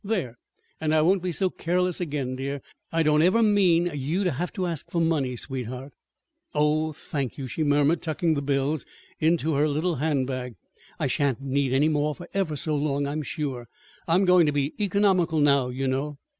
"There! And I won't be so careless again, dear. I don't ever mean you to have to ask for money, sweetheart." "Oh, thank you," she murmured, tucking the bills into her little handbag. "I shan't need any more for ever so long, I'm sure. I'm going to be economical now, you know."